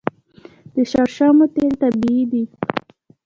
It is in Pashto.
د شړشمو تیل طبیعي دي.